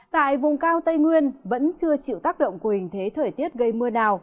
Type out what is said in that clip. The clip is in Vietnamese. tại vùng cao tây nguyên vẫn chưa chịu tác động của hình thế thời tiết gây mưa đào